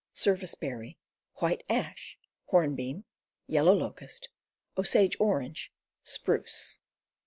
Springy Woods White Ash, Hornbeam, Yellow Locust, Osage Orange, Spruce.